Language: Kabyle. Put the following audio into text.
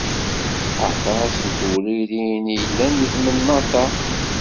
Aṭas n tewririn i yellan deg tmennaṭ-a.